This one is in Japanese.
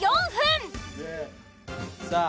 さあ。